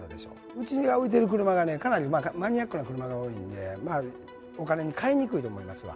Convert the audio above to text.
うちに置いてる車がね、かなりマニアックな車が多いんで、お金に換えにくいと思いますわ。